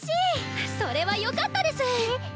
それはよかったです！